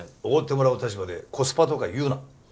おごってもらう立場でコスパとか言うな。